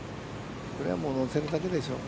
これはもう乗せるだけでしょう。